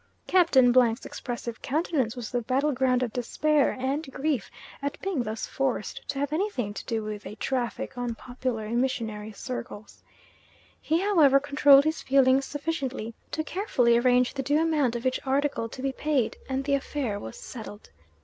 Captain 's expressive countenance was the battle ground of despair and grief at being thus forced to have anything to do with a traffic unpopular in missionary circles. He however controlled his feelings sufficiently to carefully arrange the due amount of each article to be paid, and the affair was settled.